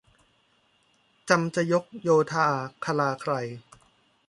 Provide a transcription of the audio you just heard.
จำจะยกโยธาคลาไคล